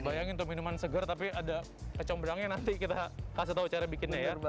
bayangin tuh minuman segar tapi ada kecombrangnya nanti kita kasih tahu cara bikinnya ya